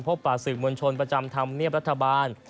พบประสิทธิ์มวลชนประจำธรรมเนียบรัฐบาล